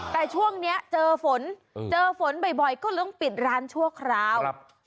แต่ช่วงนี้เจอฝนเจอฝนบ่อยก็เรื่องปิดร้านชั่วคราว